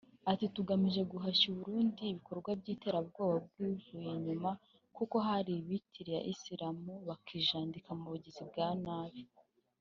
Ati “Tugamije guhashya burundu ibikorwa by’iterabwoba twivuye inyuma kuko hari abiyitirira Islam bakijandika mu bugizi bwa nabi